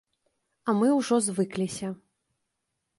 А мы ўжо звыкліся.